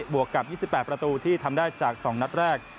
วกกับ๒๘ประตูที่ทำได้จาก๒นัดแรก